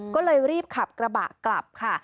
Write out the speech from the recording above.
ก็เลยรีบขับกระบะกลับค่ะ